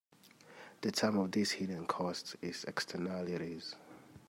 The term for these hidden costs is "Externalities".